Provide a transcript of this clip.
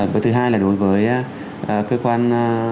bởi thứ hai là đối với cơ quan